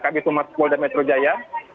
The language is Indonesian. ada kb tumat polda metro jaya